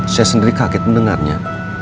saya sendiri kaget mendengarnya